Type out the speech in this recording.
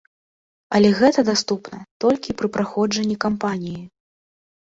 Але гэта даступна толькі пры праходжанні кампаніі.